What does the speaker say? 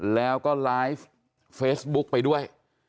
แล้วก็ไลฟ์เฟซบุ๊กไปด้วย